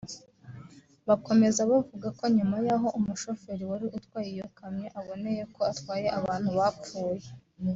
Bakomeza bavuga ko nyuma yaho umushoferi wari utwaye iyo kamyo aboneye ko atwaye abantu bapfuye